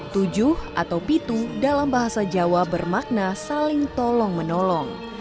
tujuh atau pitu dalam bahasa jawa bermakna saling tolong menolong